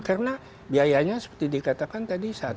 karena biayanya seperti dikatakan tadi